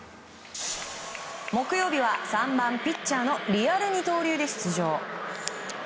木曜日は、３番ピッチャーのリアル二刀流で出場。